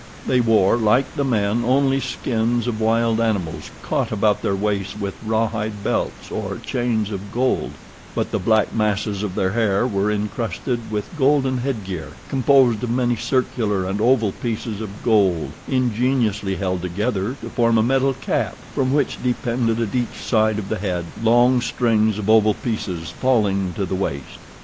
They wore, like the men, only skins of wild animals caught about their waists with rawhide belts or chains of gold; but the black masses of their hair were incrusted with golden headgear composed of many circular and oval pieces of gold ingeniously held together to form a metal cap from which depended at each side of the head, long strings of oval pieces falling to the waist.